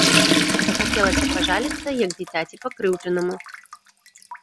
Захацелася пажаліцца, як дзіцяці пакрыўджанаму.